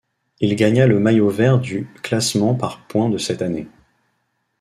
Il gagna le maillot vert du classement par points de cette année.